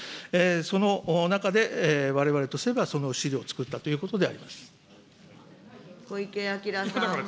その中でわれわれとすれば、その資料をつくったということであり小池晃さん。